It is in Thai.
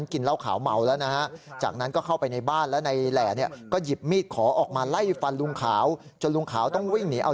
เขาอยู่ในพงย่างตรงนู้นเลยนะ